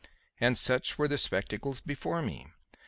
And such were the spectacles before me.